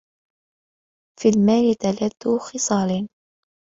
فِي الْمَالِ ثَلَاثُ خِصَالٍ